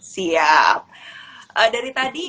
siap dari tadi